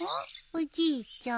おじいちゃん。